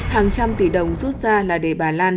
hàng trăm tỷ đồng rút ra là để bà lan